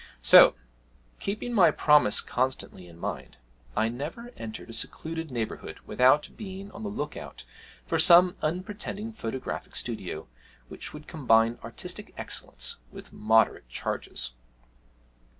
So, keeping my promise constantly in mind, I never entered a secluded neighbourhood without being on the look out for some unpretending photographic studio which would combine artistic excellence with moderate charges.